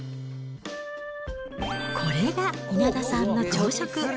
これが稲田さんの朝食。